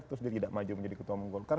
terus dia tidak maju menjadi ketua umum golkar